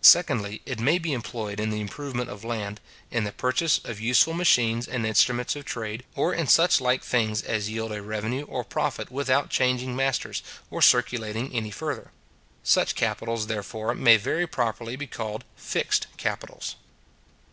Secondly, it may be employed in the improvement of land, in the purchase of useful machines and instruments of trade, or in such like things as yield a revenue or profit without changing masters, or circulating any further. Such capitals, therefore, may very properly be called fixed capitals.